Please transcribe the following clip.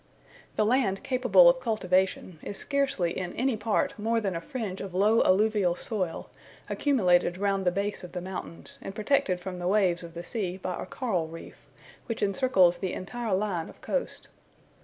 The land capable of cultivation, is scarcely in any part more than a fringe of low alluvial soil, accumulated round the base of the mountains, and protected from the waves of the sea by a coral reef, which encircles the entire line of coast.